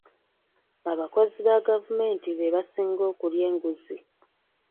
Abakozi ba gavumenti be basinga okulya enguzi .